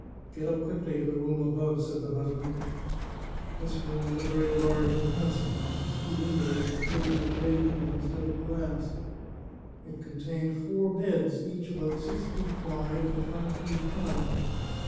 " Get up quickly to the room above," said the husband. This room was a very large and handsome one. The two windows were filled with gray linen instead of glass. It contained four beds, each about six feet wide and five feet high.